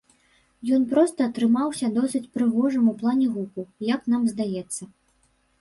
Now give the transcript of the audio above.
Ён проста атрымаўся досыць прыгожым у плане гуку, як нам здаецца.